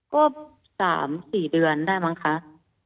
ก็๓๔เดือนได้มั้งคะ